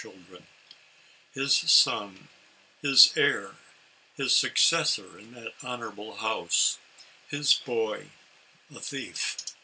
children; his son, his heir, his successor in that honorable house: his boy — a thief